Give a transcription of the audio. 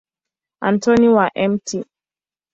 Antoni wa Mt.